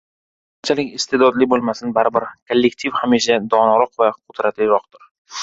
Kishi qanchalik iste’dodli bo‘lmasin, baribir kollektiv hamisha donoroq va qudratliroqdir.